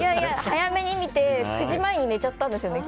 早めに見て９時前に寝ちゃったんですよね。